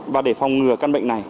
và để phòng ngừa căn bệnh này